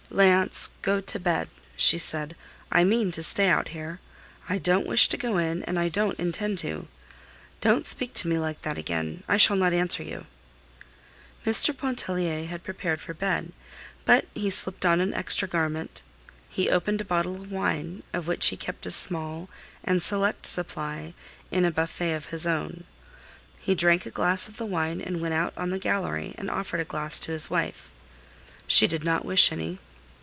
"Léonce, go to bed," she said, "I mean to stay out here. I don't wish to go in, and I don't intend to. Don't speak to me like that again; I shall not answer you." Mr. Pontellier had prepared for bed, but he slipped on an extra garment. He opened a bottle of wine, of which he kept a small and select supply in a buffet of his own. He drank a glass of the wine and went out on the gallery and offered a glass to his wife. She did not wish any.